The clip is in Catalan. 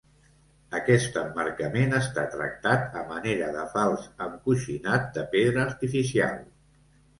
Aquest emmarcament està tractat a manera de fals encoixinat de pedra artificial.